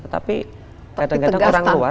tapi kadang kadang orang luar